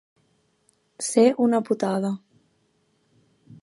Ser una putada.